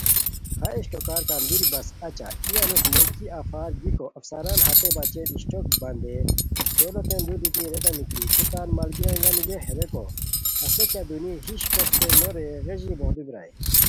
ہیہ اِشٹوکار کندوری بس اچہ، ای انوس ملکی افارگیکو افسران ہتے بچین اِشٹوک بندیئے دولوتین لُو دیتی ریتانی کی تو تان ملگیریان گنی گیے ریکو، ہسے کیہ دُونی ہِش کوستین نورے غیژی بوغدو بیرائے